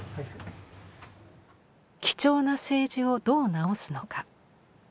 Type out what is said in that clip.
貴重な青磁をどう直すのか？